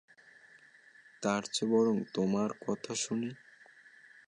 তারচে বরং তোমার কথা শুনি।